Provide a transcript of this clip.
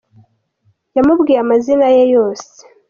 Yamubwiye amazina ye yose.